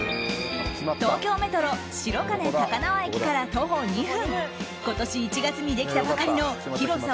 東京メトロ白金高輪駅から徒歩２分今年１月にできたばかりの広さ